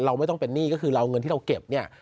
ไม่ต้องเป็นหนี้ก็คือเราเอาเงินที่เราเก็บเนี่ย